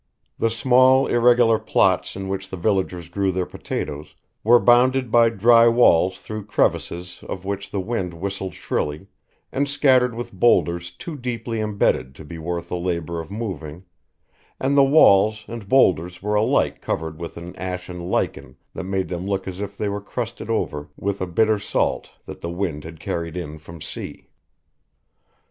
The small irregular plots in which the villagers grew their potatoes were bounded by dry walls through crevices of which the wind whistled shrilly, and scattered with boulders too deeply imbedded to be worth the labour of moving, and the walls and boulders were alike covered with an ashen lichen that made them look as if they were crusted over with bitter salt that the wind had carried in from sea.